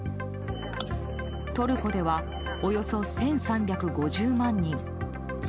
トルコではおよそ１３５０万人。